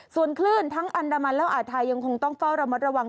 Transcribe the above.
ส่วนคลื่นทั้งอันดามันและอ่าวไทยยังคงต้องเฝ้าระมัดระวัง